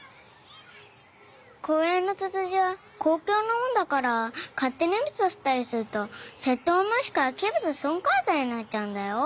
公園のツツジは公共のものだから勝手に蜜を吸ったりすると窃盗もしくは器物損壊罪になっちゃうんだよ。